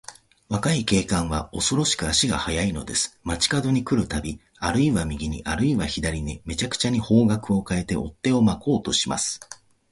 若い警官は、おそろしく足が早いのです。町かどに来るたび、あるいは右に、あるいは左に、めちゃくちゃに方角をかえて、追っ手をまこうとします。